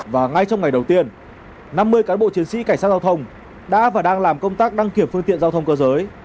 và ngay trong ngày đầu tiên năm mươi cán bộ chiến sĩ cảnh sát giao thông đã và đang làm công tác đăng kiểm phương tiện giao thông cơ giới